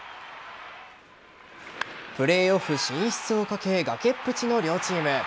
プレーオフ進出をかけ崖っぷちの両チーム。